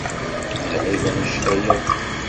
D lɛib annect-a yakk?